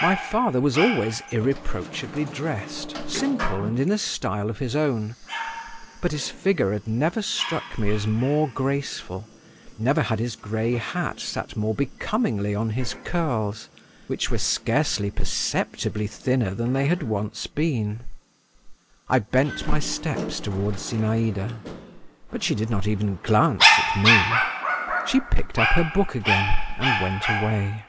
My father was always irreproachably dressed, simple and in a style of his own; but his figure had never struck me as more graceful, never had his grey hat sat more becomingly on his curls, which were scarcely perceptibly thinner than they had once been. I bent my steps toward Zinaïda, but she did not even glance at me; she picked up her book again and went away.